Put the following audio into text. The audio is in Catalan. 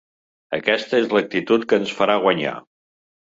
Aquesta és l’actitud que ens farà guanyar.